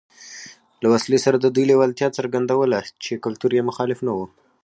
له وسلې سره د دوی لېوالتیا څرګندوله چې کلتور یې مخالف نه و